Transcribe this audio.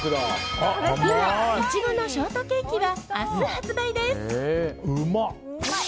ピノ苺のショートケーキは明日発売です。